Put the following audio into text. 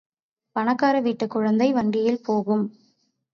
பணக்கார வீட்டுக் குழந்தை வண்டியில் போகும்.